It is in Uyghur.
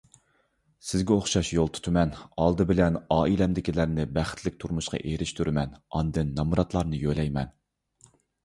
سىزگە ئوخشاش يول تۇتىمەن، ئالدى بىلەن ئائىلەمدىكىلەرنى بەختلىك تۇرمۇشقا ئېرىشتۈرىمەن، ئاندىن نامراتلارنى يۆلەيمەن.